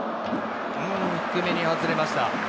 低めに外れました。